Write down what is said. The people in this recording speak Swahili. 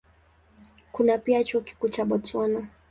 Kuna pia Chuo Kikuu cha Botswana.